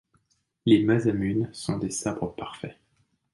Les Masamunes sont des sabres parfaits.